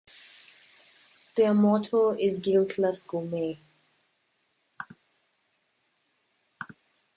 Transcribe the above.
Their motto is Guiltless Gourmet.